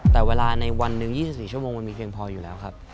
แต่เวลาในวันหนึ่ง๒๔ชั่วโมงมันมีเพียงพออยู่แล้วครับ